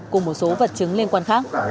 cùng một số vật chứng liên quan khác